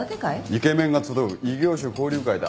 イケメンが集う異業種交流会だ。